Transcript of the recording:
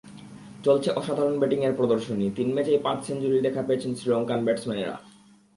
চলছে অসাধারণ ব্যাটিংয়ের প্রদর্শনী, তিন ম্যাচেই পাঁচ সেঞ্চুরির দেখা পেয়েছেন শ্রীলঙ্কান ব্যাটসম্যানরা।